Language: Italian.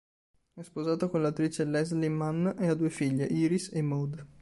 È sposato con l'attrice Leslie Mann e ha due figlie, Iris e Maude.